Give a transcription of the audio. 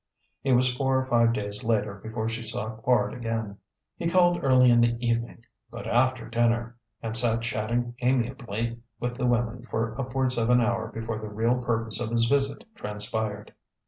It was four or five days later before she saw Quard again. He called early in the evening but after dinner and sat chatting amiably with the women for upwards of an hour before the real purpose of his visit transpired.